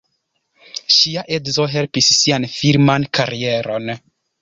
Ŝia edzo helpis sian filman karieron.